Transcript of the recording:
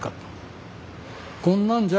こんなんじゃ